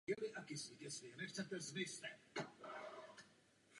Po maturitě začal studovat na Vysoké škole průmyslové v Krakově.